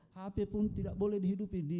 hape pun tidak boleh dihidupi di